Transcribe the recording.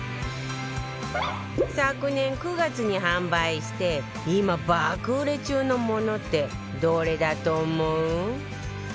昨年９月に販売して今爆売れ中のものってどれだと思う？